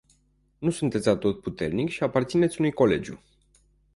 Nu sunteți atotputernic și aparțineți unui colegiu.